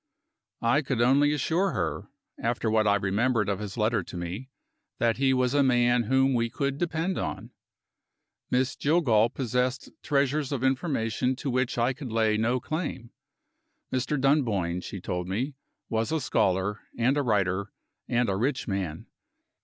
I could only assure her (after what I remembered of his letter to me) that he was a man whom we could depend upon. Miss Jillgall possessed treasures of information to which I could lay no claim. Mr. Dunboyne, she told me, was a scholar, and a writer, and a rich man.